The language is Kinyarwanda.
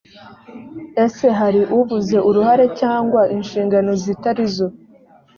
ese hari uvuze uruhare cyangwa inshingano zitari zo?